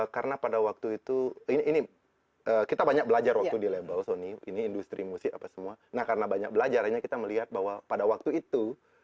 karena pada waktu itu ini kita banyak belajar waktu di label sony ini industri musik apa semua nah karena banyak belajar hanya kita melihat bahwa pada waktu itu